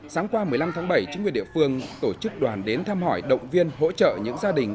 sáng qua một mươi năm tháng bảy chính quyền địa phương tổ chức đoàn đến thăm hỏi động viên hỗ trợ những gia đình